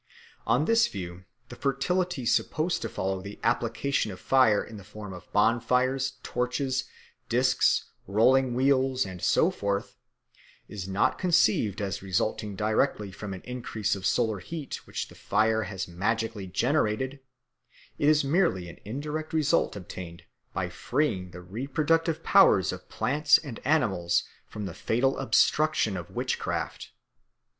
On this view the fertility supposed to follow the application of fire in the form of bonfires, torches, discs, rolling wheels, and so forth, is not conceived as resulting directly from an increase of solar heat which the fire has magically generated; it is merely an indirect result obtained by freeing the reproductive powers of plants and animals from the fatal obstruction of witchcraft.